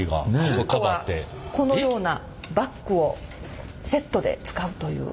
ヒントはこのようなバッグをセットで使うという。